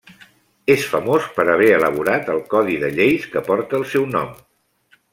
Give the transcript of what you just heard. És famós per haver elaborat el codi de lleis que porta el seu nom.